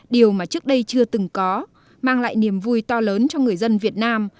điều mà trước đây chưa từng có mang lại niềm vui to lớn cho người dân việt nam